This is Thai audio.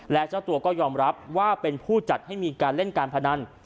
และเจ้าตัวก็ยอมรับว่าเป็นผู้จัดให้มีการเล่นการพนัน